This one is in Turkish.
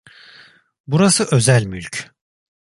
Burası özel mülk.